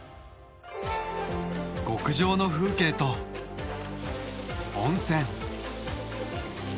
極上の風景と温泉。